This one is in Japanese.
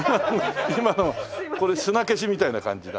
今のこれ砂消しみたいな感じだ。